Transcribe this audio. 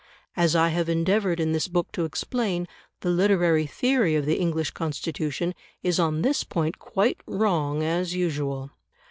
As I have endeavoured in this book to explain, the literary theory of the English Constitution is on this point quite wrong as usual.